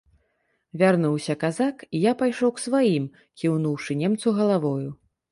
Вярнуўся казак, і я пайшоў к сваім, кіўнуўшы немцу галавою.